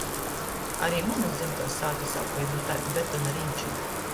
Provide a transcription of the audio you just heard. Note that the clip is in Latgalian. Ari munys dzymtuos sātys oka ir nu taidu betona riņču.